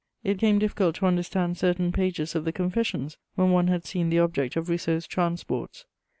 ] It became difficult to understand certain pages of the Confessions when one had seen the object of Rousseau's transports.